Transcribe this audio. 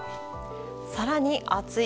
更に暑い。